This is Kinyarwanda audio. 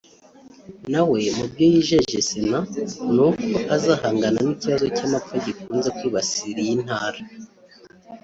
nawe mu byo yijeje Sena ni uko azahangana n’ikibazo cy’amapfa gikunze kwibasira iyi ntara